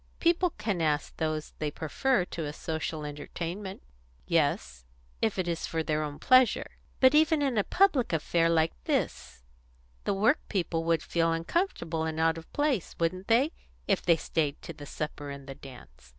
People can ask those they prefer to a social entertainment." "Yes if it is for their own pleasure." "But even in a public affair like this the work people would feel uncomfortable and out of place, wouldn't they, if they stayed to the supper and the dance?